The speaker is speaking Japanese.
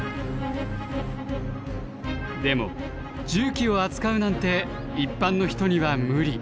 でも重機を扱うなんて一般の人には無理。